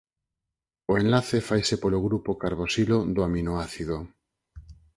O enlace faise polo grupo carboxilo do aminoácido.